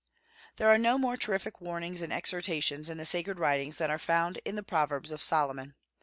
There are no more terrific warnings and exhortations in the sacred writings than are found in the Proverbs of Solomon.